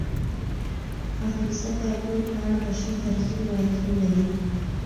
افغانستان د انګورو په اړه مشهور تاریخي روایتونه لري.